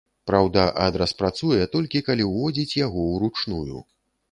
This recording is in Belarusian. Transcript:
Праўда, адрас працуе, толькі калі уводзіць яго уручную.